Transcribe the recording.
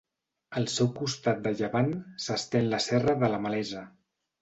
Al seu costat de llevant s'estén la Serra de la Malesa.